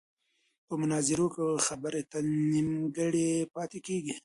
په مناظرو کې خبرې تل نیمګړې پاتې کېږي.